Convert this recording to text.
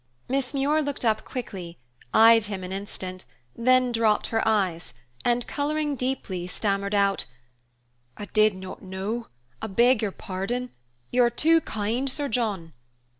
Miss Muir looked up quickly, eyed him an instant, then dropped her eyes, and, coloring deeply, stammered out, "I did not know I beg your pardon you are too kind, Sir John."